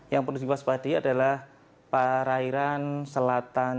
yang penuh simpas tadi adalah perairan selatan